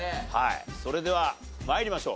それでは参りましょう。